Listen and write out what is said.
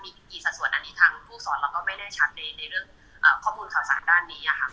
มีกี่สัดส่วนอันนี้ทางผู้สอนเราก็ไม่แน่ชัดในเรื่องข้อมูลข่าวสารด้านนี้ค่ะ